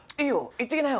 行ってきなよ！」